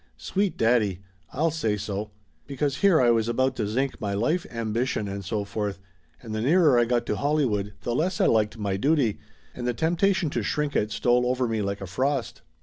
Sweet daddy! I'll say so ! Because here I was about to zinc my life ambition and so forth, and the nearer I got to Hollywood the less I liked my duty, and the temptation to shrink it stole over me like a frost.